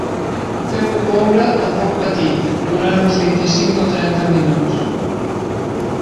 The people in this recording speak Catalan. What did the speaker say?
Feu-ho coure a foc petit, durant uns vint-i-cinc o trenta minuts.